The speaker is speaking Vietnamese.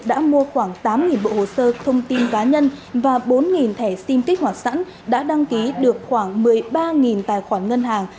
đã mua khoảng tám bộ hồ sơ thông tin cá nhân và bốn thẻ sim kích hoạt sẵn đã đăng ký được khoảng một mươi ba tài khoản ngân hàng